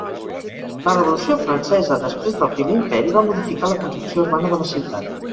La Revolució francesa, després del Primer Imperi va modificar la concepció urbana de la ciutat.